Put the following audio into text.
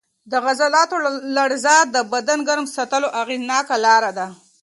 د عضلو لړزه د بدن ګرم ساتلو اغېزناکه لار ده.